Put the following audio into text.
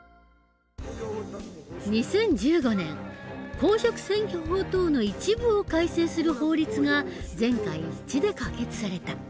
２０１５年公職選挙法等の一部を改正する法律が全会一致で可決された。